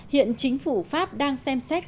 hiện chính phủ pháp đang xem xét kháng cáo